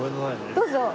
どうぞ。